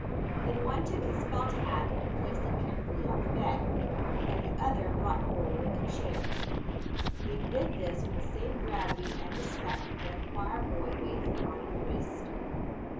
Then one took his felt hat and placed it carefully on the bed, and the other brought forward a chair. They did this with the same gravity and respect that a choir boy waits upon a priest.